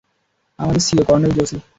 আমাদের CO, colonel জোসি।